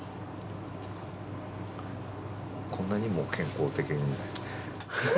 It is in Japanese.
こんなにも健康的に。